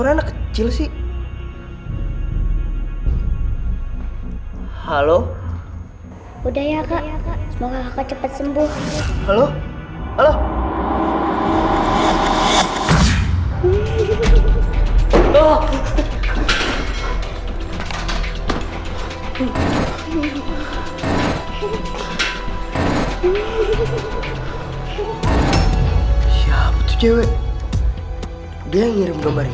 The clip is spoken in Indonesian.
tante dari mana